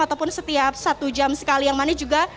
ataupun setiap satu jam sekali yang manis juga